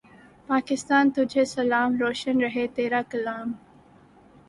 پاکستان تجھے سلام۔ روشن رہے تیرا کلام